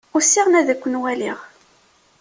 Usiɣ-n ad ken-waliɣ.